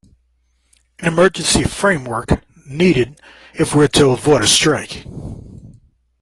An emergency framework needed if we’re to avoid a strike.